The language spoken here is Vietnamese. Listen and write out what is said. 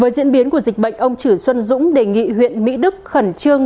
với diễn biến của dịch bệnh ông chử xuân dũng đề nghị huyện mỹ đức khẩn trương